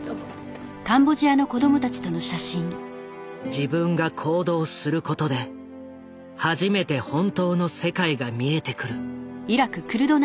自分が行動することで初めて本当の世界が見えてくる。